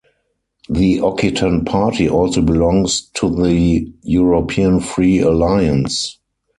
The Occitan Party also belongs to the European Free Alliance.